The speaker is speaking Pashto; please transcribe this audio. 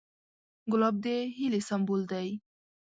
ګلاب د هیلې سمبول دی.